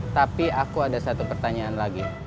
tapi aku ada satu pertanyaan lagi